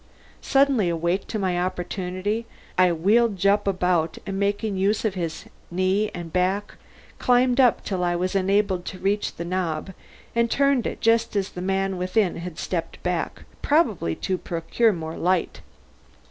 Suddenly awake to my opportunity, I wheeled Jupp about and, making use of his knee and back, climbed up till I was enabled to reach the knob and turn it just as the man within had stepped back, probably to procure more light.